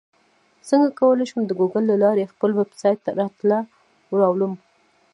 څنګه کولی شم د ګوګل له لارې خپل ویبسایټ راته راولم